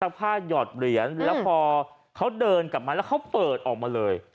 ผ้าหยอดเหรียญแล้วพอเขาเดินกลับมาแล้วเขาเปิดออกมาเลย